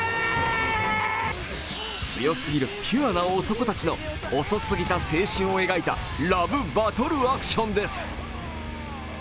強すぎるピュアな男たちの遅すぎた青春を描いたラブバトルアクションです。